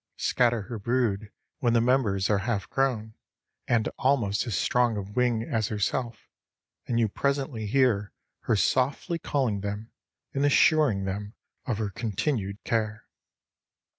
Scatter her brood when the members are half grown and almost as strong of wing as herself, and you presently hear her softly calling them and assuring them of her continued care.